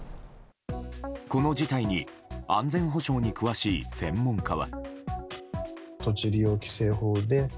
この事態に安全保障に詳しい専門家は。